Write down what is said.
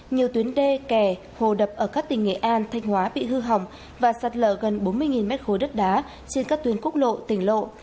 nhiều tuyến đê kè hồ đập ở các tỉnh nghệ an thanh hóa bị hư hỏng và sạt lở gần bốn mươi mét khối đất đá trên các tuyến quốc lộ tỉnh lộ